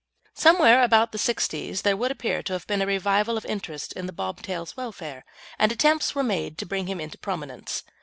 Somewhere about the 'sixties there would appear to have been a revival of interest in the bob tail's welfare, and attempts were made to bring him into prominence.